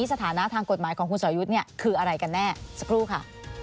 สถานะทางกฎหมายของคุณสอยุทธ์เนี่ยคืออะไรกันแน่สักครู่ค่ะ